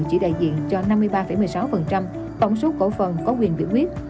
chỉ đại diện cho năm mươi ba một mươi sáu tổng số cổ phần có quyền biểu quyết